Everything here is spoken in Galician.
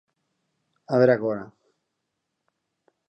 A ver agora.